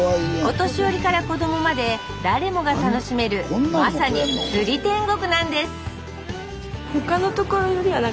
お年寄りから子どもまで誰もが楽しめるまさに釣り天国なんです何？